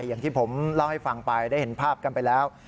อย่างที่ผมเล่าให้ฟังไปได้เห็นภาพกันไปแล้ว